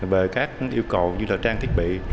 về các yêu cầu như là trang thiết bị